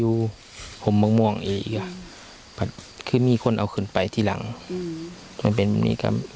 แล้วมันมีการมีคนเอาขึนไปที่หลังภูมิเป็นมีการ